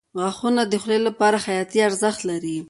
• غاښونه د خولې لپاره حیاتي ارزښت لري.